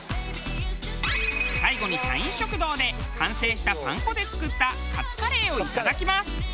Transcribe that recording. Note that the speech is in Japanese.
最後に社員食堂で完成したパン粉で作ったカツカレーをいただきます。